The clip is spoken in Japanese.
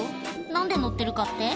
「何で乗ってるかって？